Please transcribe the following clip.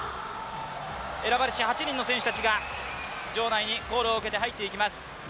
選ばれし８人の選手たちが場内にコールを受けて入っていきます。